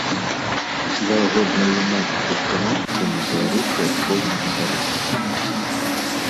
Верагодна і ў матчы з канадцамі беларусы ачкоў не набяруць.